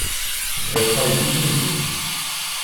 Je vais travailler tous les jours.